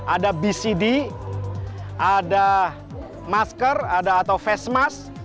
ada bcd ada masker atau face mask